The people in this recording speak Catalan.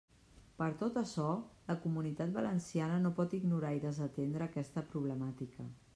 Per tot açò, la Comunitat Valenciana no pot ignorar i desatendre aquesta problemàtica.